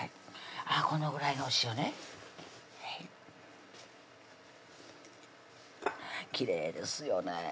あっこのぐらいのお塩ねきれいですよね